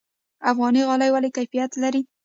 افغاني غالۍ ولې کیفیت لري؟